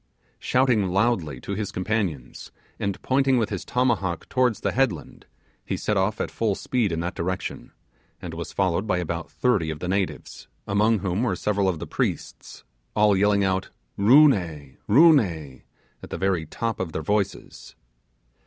Shouting loudly to his companions, and pointing with his tomahawk towards the headland, he set off at full speed in that direction, and was followed by about thirty of the natives, among whom were several of the priests, all yelling out 'Roo ne! Roo ne!' at the very top of their voices.